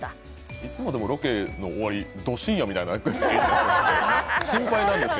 いつまでもロケの終わりド深夜みたいで心配なんですよ。